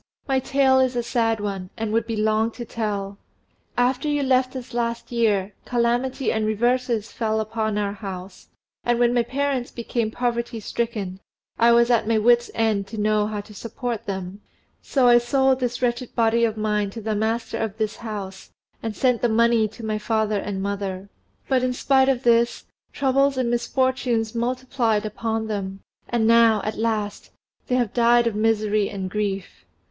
my tale is a sad one, and would be long to tell. After you left us last year, calamity and reverses fell upon our house; and when my parents became poverty stricken, I was at my wits' end to know how to support them: so I sold this wretched body of mine to the master of this house, and sent the money to my father and mother; but, in spite of this, troubles and misfortunes multiplied upon them, and now, at last, they have died of misery and grief.